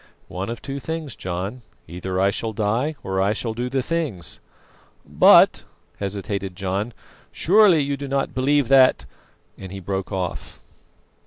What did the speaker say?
"One of two things, John: either I shall die or I shall do the things." "But" hesitated John "surely you do not believe that " and he broke off.